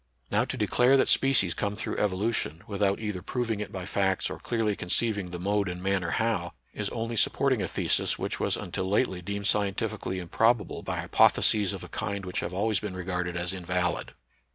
Now to declare that species come through evo lution, without either proving it by facts or clearly conceiving the mode and manner how, is only supporting a thesis which was until lately deemed scientifically improbable by hypotheses of a kind which have always been regarded as invalid.